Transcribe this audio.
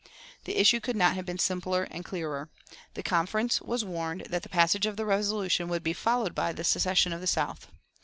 The issue could not have been simpler and clearer. The Conference was warned that the passage of the resolution would be followed by the secession of the South.